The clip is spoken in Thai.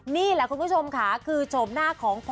นี่แหละคุณผู้ชมค่ะคือโฉมหน้าของ